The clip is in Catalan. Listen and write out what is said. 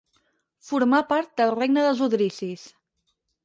Formà part del regne dels Odrisis.